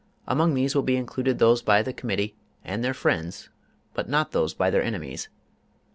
Among these will be included those by the Committee and their friends, but not those by their enemies.